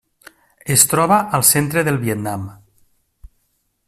Es troba al centre del Vietnam.